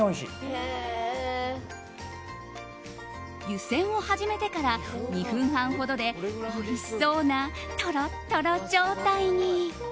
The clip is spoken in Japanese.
湯煎を始めてから２分半ほどでおいしそうなトロットロ状態に。